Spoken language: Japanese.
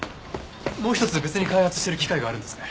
もう一つ別に開発してる機械があるんですね？